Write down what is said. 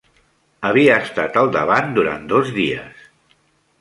Havia estat al davant durant dos dies.